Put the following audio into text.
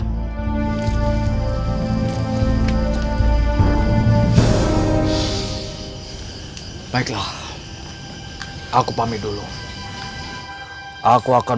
dan mereka akan menerima kelemahan